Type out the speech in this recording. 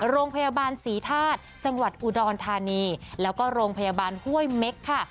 โรงพยาบาลศรีธาตุจังหวัดอุดรธานีแล้วก็โรงพยาบาลห้วยเม็กค่ะ